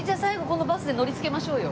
このバスで乗りつけましょうよ。